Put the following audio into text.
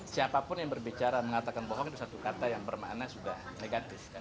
siapapun yang berbicara mengatakan bohong itu satu kata yang bermakna sudah negatif kan